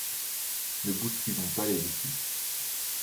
Ne bousculons pas l’édifice.